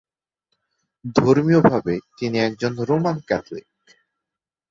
ধর্মীয়ভাবে তিনি একজন Roman Catholic.